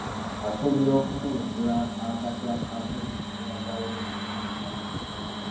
Asuubirwa okumulungula akattu akali mu nsonga za UMEME wamu n’amafuta.